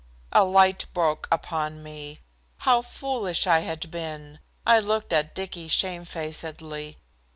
A light broke upon me. How foolish I had been. I looked at Dicky shamefacedly.